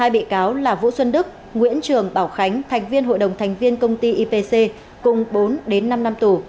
hai bị cáo là vũ xuân đức nguyễn trường bảo khánh thành viên hội đồng thành viên công ty ipc cùng bốn đến năm năm tù